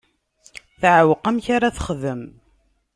Teɛweq amek ara texdem.